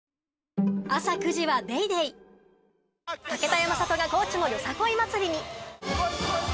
山里が高知のよさこい祭りに。